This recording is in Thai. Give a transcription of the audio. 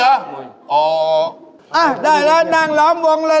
อ้าวได้แล้วนางล้อมบงเลย